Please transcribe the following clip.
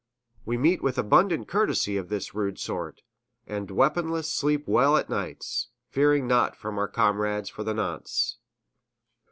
We meet with abundant courtesy of this rude sort, and weaponless sleep well o' nights, fearing naught from our comrades for the nonce.